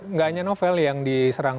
nggak hanya novel yang diserang